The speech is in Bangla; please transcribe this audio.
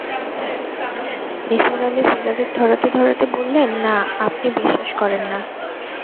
নিসার আলি সিগারেট ধরাতে-ধরাতে বললেন, না, আপনি বিশ্বাস করেন না।